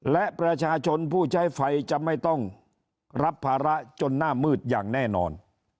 และประชาชนผู้ใช้ไฟจะไม่ต้องรับภาระจนหน้ามืดอย่างแน่นอน